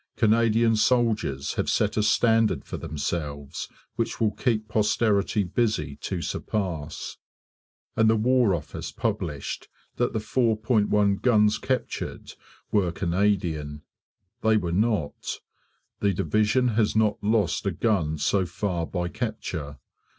Canadian soldiers have set a standard for themselves which will keep posterity busy to surpass. And the War Office published that the 4.1 guns captured were Canadian. They were not: the division has not lost a gun so far by capture.